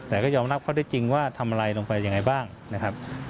แต่ก็ยอมรับข้อได้จริงว่าทำอะไรลงไปยังไงบ้างนะครับ